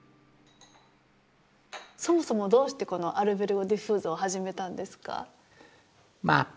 そもそもどうしてこのアルベルゴ・ディフーゾを始めたんですか。